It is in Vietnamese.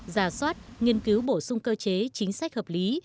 giả soát nghiên cứu bổ sung cơ chế chính sách hợp lý